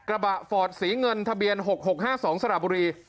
กระบะฟอร์ดสีเงินทะเบียน๖๖๕๒สระบุรี